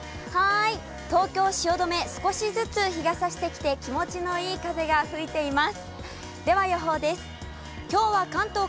東京・汐留、少しずつ日がさしてきて、気持ちのいい風が吹いています。